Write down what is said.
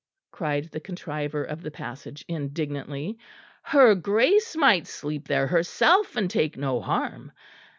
cried the contriver of the passage indignantly, "her Grace might sleep there herself and take no harm.